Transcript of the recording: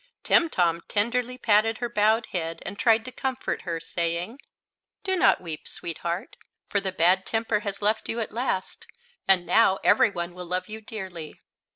Timtom tenderly patted her bowed head, and tried to comfort her, saying: "Do not weep, sweetheart; for the bad temper has left you at last, and now every one will love you dearly."